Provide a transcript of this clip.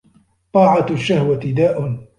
طَاعَةُ الشَّهْوَةِ دَاءٌ